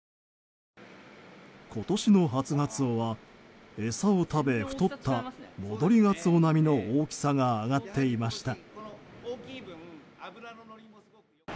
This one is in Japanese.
今年の初ガツオは餌を食べ、太った戻りガツオ並みの大きさが揚がっていました。